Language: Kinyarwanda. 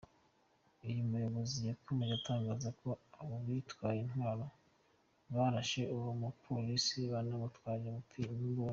Uyu muyobozi yakomeje atangaza ko abo bitwaje intwaro barashe uwo mupolisi, banamutwarira imbunda.